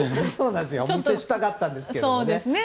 お見せしたかったんですけどね。